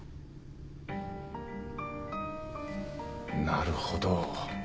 なるほど。